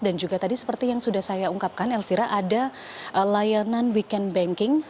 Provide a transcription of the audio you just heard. dan juga tadi seperti yang sudah saya ungkapkan elvira ada layanan weekend banking